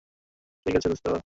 ঠিক আছে, দোস্ত।